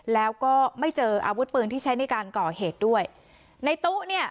แล้วก็ไม่เจออาวุธปืนที่ใช้ในการก่อเหตุด้วยในตู้เนี่ย